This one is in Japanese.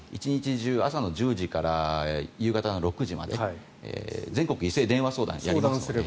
中朝の１０時から夕方の６時まで全国一斉電話相談をやりますので。